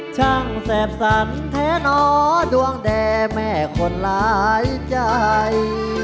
ช่างแสบสรรค์แท้หนอดวงแด่แม่คนหลายใจ